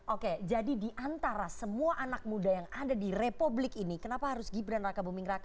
oke jadi diantara semua anak muda yang ada di republik ini kenapa harus gibran raka buming raka